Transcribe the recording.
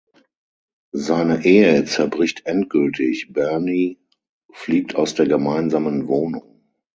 Seine Ehe zerbricht endgültig, Bernie fliegt aus der gemeinsamen Wohnung.